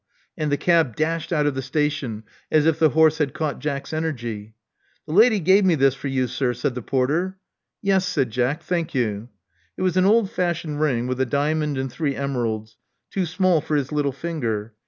And the cab dashed out of the station as if the horse had caught Jack's energy. The lady gev me this for you, sir," said the porter. Yes," said Jack, Thank you." It was an old fashioned ring, with a diamond and three emeralds, too small for his little finger.